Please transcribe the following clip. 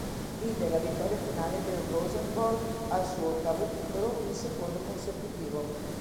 Vide la vittoria finale del Rosenborg, al suo ottavo titolo, il secondo consecutivo.